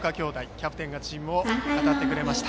キャプテンがチームを語ってくれました。